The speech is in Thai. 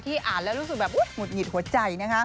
อ่านแล้วรู้สึกแบบหงุดหงิดหัวใจนะคะ